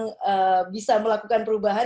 pihak pihak yang memang bisa melakukan perubahan